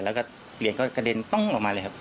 แล้วก็เหรียญก็กระเด็นป้องออกมาเลยครับ